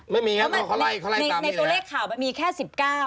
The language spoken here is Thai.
ไม่มีครับเขาไล่เขาไล่ตามนี้เลยนะในตัวเลขข่าวมันมีแค่สิบเก้า